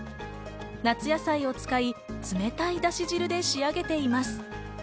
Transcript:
夏野菜を使い、冷たいだし汁で仕上げています。